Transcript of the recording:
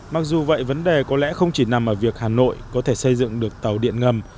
mặc dù vậy vấn đề có lẽ không chỉ nằm ở việc hà nội có thể xây dựng được tàu điện ngầm